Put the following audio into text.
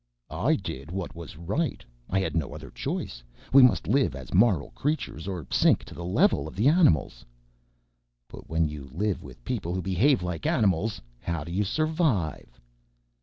"I did what was right, I had no other choice. We must live as moral creatures or sink to the level of the animals." "But when you live with people who behave like animals how do you survive?